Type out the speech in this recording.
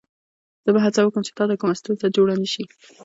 زه به هڅه وکړم چې تا ته کومه ستونزه جوړه نه شي.